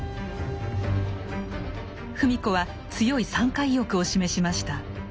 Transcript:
芙美子は強い参加意欲を示しました。